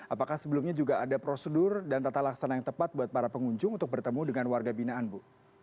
apakah sebelumnya juga ada prosedur dan tata laksana yang tepat buat para pengunjung untuk bertemu dengan warga binaan bu